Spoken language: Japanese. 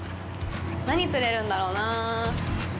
何、釣れるんだろうなぁ？